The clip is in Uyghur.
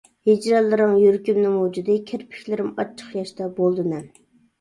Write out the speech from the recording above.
ھىجرانلىرىڭ يۈرىكىمنى مۇجۇدى، كىرپىكلىرىم ئاچچىق ياشتا بولدى نەم.